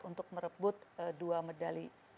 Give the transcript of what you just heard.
untuk merebut dua medali